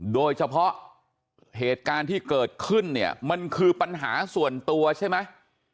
โดยเฉพาะเหตุการณ์ที่เกิดขึ้นเนี่ยมันคือปัญหาส่วนตัวใช่ไหม